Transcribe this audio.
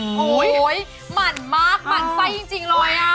โอ้โหเหม็นมากเหม็นไส้จริงเลยอะ